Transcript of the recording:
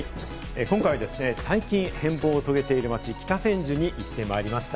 今回は最近、変貌を遂げている街・北千住に行ってまいりました。